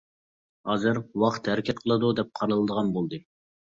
ھازىر، ۋاقىت ھەرىكەت قىلىدۇ دەپ قارىلىدىغان بولدى.